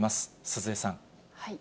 鈴江さん。